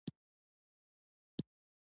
د کلتور وزارت یو چارواکي